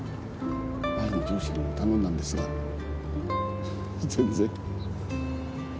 前の上司にも頼んだんですが全然。